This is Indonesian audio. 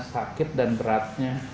sakit dan beratnya